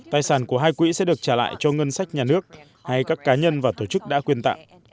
tài sản của hai quỹ sẽ được trả lại cho ngân sách nhà nước hay các cá nhân và tổ chức đã quyền tặng